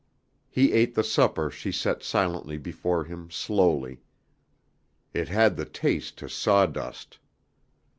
He ate the supper she set silently before him slowly. It had the taste to sawdust.